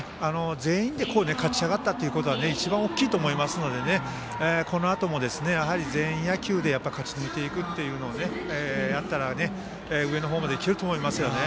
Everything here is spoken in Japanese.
全員で勝ち上がったというのが一番大きいと思いますのでこのあとも全員野球で勝ち抜いていくというのをやったら上の方までいけると思いますね。